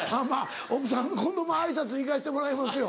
奥さん今度挨拶行かしてもらいますよ。